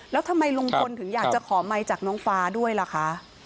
แล้วทำไมลุงพลถึงอยากจะขอไมค์จากน้องฟ้าด้วยล่ะคะ